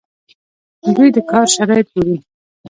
دوی د کار شرایط ګوري.